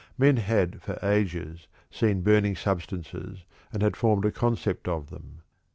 Men had for ages seen burning substances and had formed a concept of them.